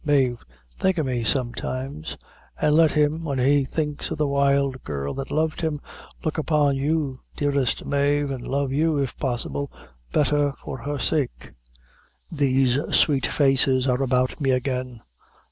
Mave, think of me sometimes an' let him, when he thinks of the wild girl that loved him, look upon you, dearest Mave, an' love you, if possible, better for her sake. These sweet faces are about me again.